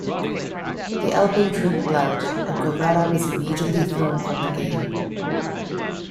The elbow drew blood, and Guevara was immediately thrown from the game.